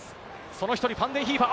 その１人、ファンデンヒーファー。